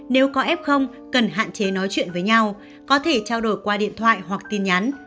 nếu có f cần hạn chế nói chuyện với nhau có thể trao đổi qua điện thoại hoặc tin nhắn